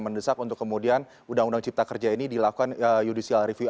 mendesak untuk kemudian undang undang cipta kerja ini dilakukan judicial review